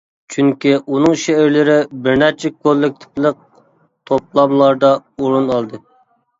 چۈنكى ئۇنىڭ شېئىرلىرى بىر نەچچە كوللېكتىپلىق توپلاملاردا ئورۇن ئالدى.